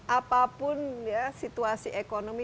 apapun ya situasi ekonomi